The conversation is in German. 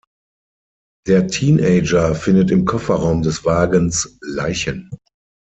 Der Teenager findet im Kofferraum des Wagens Leichen.